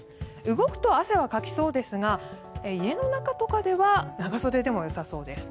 動くと汗はかきそうですが家の中とかでは長袖でもよさそうです。